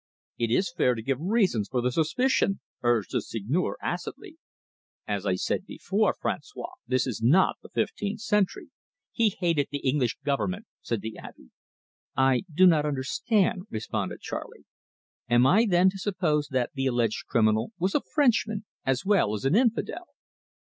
"It is fair to give reasons for the suspicion," urged the Seigneur acidly. "As I said before, Francois, this is not the fifteenth century." "He hated the English government," said the Abbe. "I do not understand," responded Charley. "Am I then to suppose that the alleged criminal was a Frenchman as well as an infidel?"